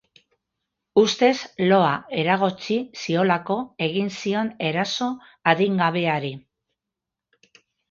Ustez, loa eragotzi ziolako egin zion eraso adingabeari.